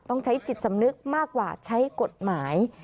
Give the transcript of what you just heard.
ต้องใช้จิตสำนึกมากกว่าใช้กฎหมาย